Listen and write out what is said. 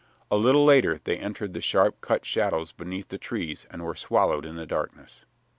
A little later they entered the sharp cut shadows beneath the trees and were swallowed in the darkness.